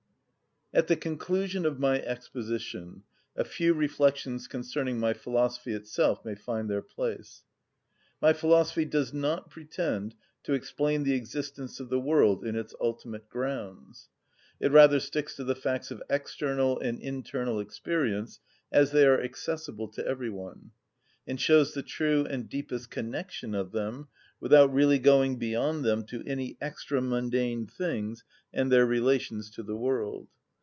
At the conclusion of my exposition a few reflections concerning my philosophy itself may find their place. My philosophy does not pretend to explain the existence of the world in its ultimate grounds: it rather sticks to the facts of external and internal experience as they are accessible to every one, and shows the true and deepest connection of them without really going beyond them to any extra‐mundane things and their relations to the world.